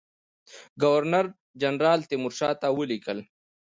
ګورنر جنرال تیمورشاه ته ولیکل.